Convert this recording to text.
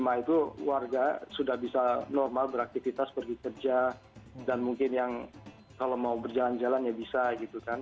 lima itu warga sudah bisa normal beraktivitas pergi kerja dan mungkin yang kalau mau berjalan jalan ya bisa gitu kan